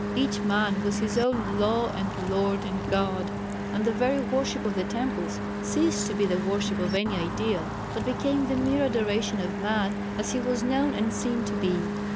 Each man was his own "Law, and Lord and God," and the very worship of the temples ceased to be the worship of any ideal, but became the mere adoration of man as he was known and seen to be.